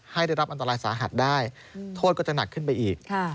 ได้รับอันตรายสาหัสได้โทษก็จะหนักขึ้นไปอีก